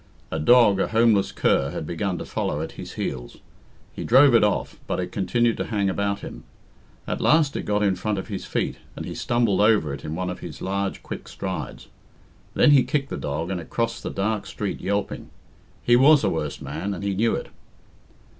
A dog, a homeless cur, had begun to follow at his heels. He drove it off, but it continued to hang about him. At last it got in front of his feet, and he stumbled over it in one of his large, quick strides. Then he kicked the dog, and it crossed the dark street yelping. He was a worse man, and he knew it.